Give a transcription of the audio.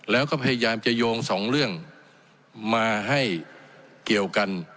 แล้วก็พยายามจะโยงสองเรื่องมาให้เกี่ยวกัน